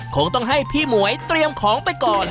คงต้องให้พี่หมวยเตรียมของไปก่อน